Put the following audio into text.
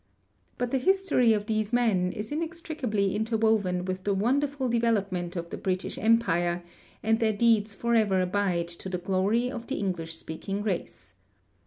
But the history of these men is inextricably interwoven with the wonderful development of the British Empire, and their deeds forever abide to the glory of the English speaking race.